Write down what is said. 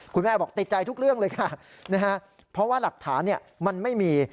คุณแม่บอกติดใจทุกเรื่องเลยค่ะนะฮะเพราะว่าหลักฐานมันไม่มี